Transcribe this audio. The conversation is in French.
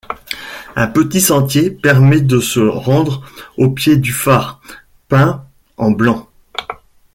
Un petit sentier permet de se rendre au pied du phare, peint en blanc.